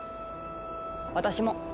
私も。